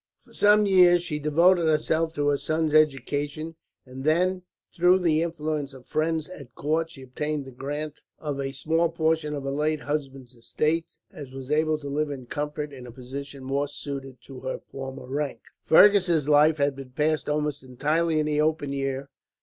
For some years, she devoted herself to her son's education; and then, through the influence of friends at court, she obtained the grant of a small portion of her late husband's estates; and was able to live in comfort, in a position more suited to her former rank. Fergus' life had been passed almost entirely in the open air.